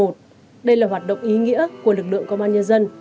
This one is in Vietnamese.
đây là hoạt động ý nghĩa của lực lượng công an nhân dân